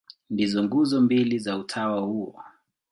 Ndizo nguzo mbili za utawa huo.